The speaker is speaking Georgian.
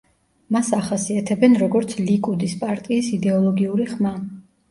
მას ახასიათებენ, როგორც ლიკუდის პარტიის „იდეოლოგიური ხმა“.